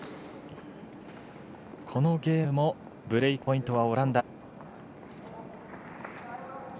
このゲームもブレークポイントはオランダ。